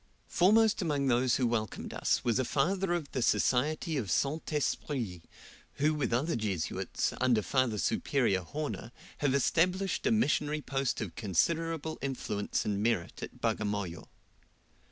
Foremost among those who welcomed us was a Father of the Society of St. Esprit, who with other Jesuits, under Father Superior Horner, have established a missionary post of considerable influence and merit at Bagamoyo.